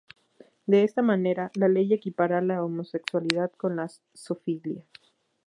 De esta manera, la ley equipara la homosexualidad con la zoofilia.